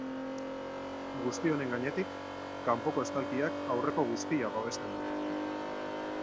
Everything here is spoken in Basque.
Guzti honen gainetik, kanpoko estalkiak aurreko guztia babesten du.